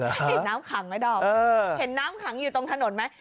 เห็นน้ำขังไหมดอมเห็นน้ำขังอยู่ตรงถนนไหม